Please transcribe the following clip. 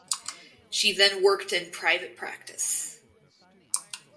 She then worked in private practice.